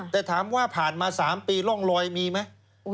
แต่ถามว่าผ่านมา๓ปีร่องรอยมีไหม